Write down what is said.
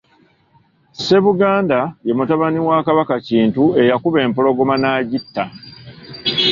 Ssebuganda ye mutabani wa Kabaka Kintu eyakuba empologoma n'agyitta.